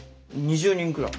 ２０人くらい。